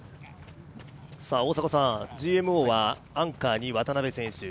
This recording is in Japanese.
大迫さん、ＧＭＯはアンカーに渡邉選手。